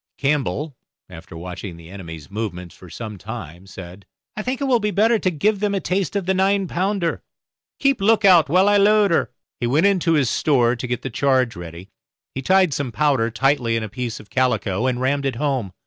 Campbell, after watching the enemy's movements for some time, said, "I think it will be better to give them a taste of the nine pounder. Keep a look out while I load her." He went into his store to get the charge ready. He tied some powder tightly in a piece of calico and rammed it home.